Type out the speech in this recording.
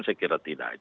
saya kira tidak